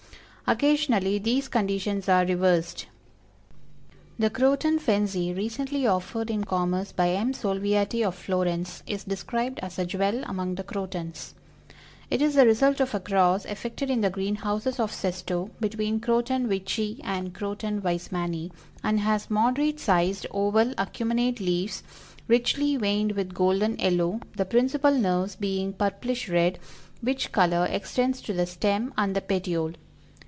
Occasionally these conditions are reversed. The Croton Fenzii, recently offered in commerce by M. SOLVIATI, of Florence, is described as a jewel among the Crotons. It is the result of a cross effected in the green houses of Sesto, between C. Veitchii and C. Weismanni, and has moderate sized oval acuminate leaves, richly veined with golden yellow, the principal nerves being purplish red, which color extends to the stem and the petiole.